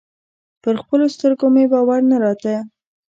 پر خپلو سترګو مې باور نه راته.